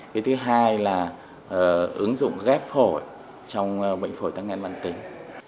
cái thứ hai là ứng dụng ghép phổi trong bệnh phổi tăng ngạn bản tính